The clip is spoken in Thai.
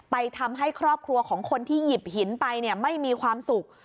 ทำให้ครอบครัวของคนที่หยิบหินไปไม่มีความสุข